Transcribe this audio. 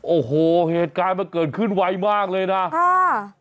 โอ้โหเหตุการณ์มันเกิดขึ้นไวมากเลยนะค่ะ